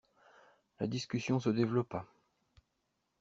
La discussion se développa.